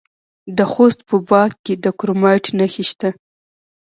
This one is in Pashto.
د خوست په باک کې د کرومایټ نښې شته.